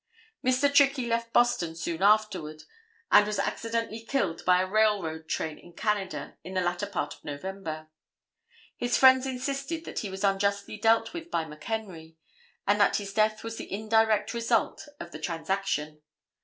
Mr. Trickey left Boston soon afterward and was accidentally killed by a railroad train in Canada in the latter part of November. His friends insisted that he was unjustly dealt with by McHenry, and that his death was the indirect result of the transaction.